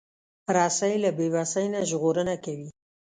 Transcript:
رسۍ له بیوسۍ نه ژغورنه کوي.